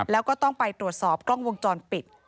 แล้วก็ต้องไปตรวจสอบกล้องวงจรปิด